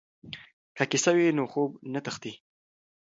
که کیسه وي نو خوب نه تښتي.